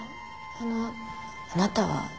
あのあなたは？